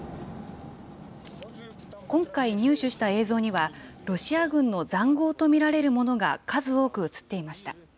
今回入手した映像には、ロシア軍のざんごうと見られるものが数多く映っていました。